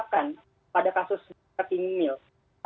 pada kasus king mile